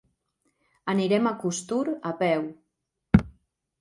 Anirem a Costur a peu.